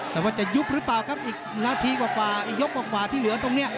แต่ว่าจะยุบหรือเปล่าครับอีกนาทีกว่ายกกว่าที่เหลือตรงนี้